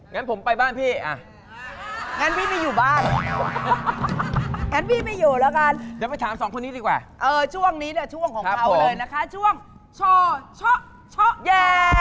งั้นผมไปบ้านพี่งั้นพี่ไปอยู่บ้านงั้นพี่ไปอยู่ละกันจะไปถามสองคนนี้ดีกว่าเออช่วงนี้เนี่ยช่วงของเขาเลยนะคะช่วงช่อชะชะ